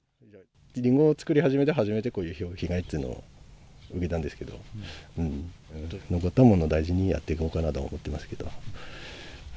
りんご作り始めて、初めてこういうひょうの被害っていうのを受けたんですけど、残ったものを大事にやっていこうかなと思ってますけど。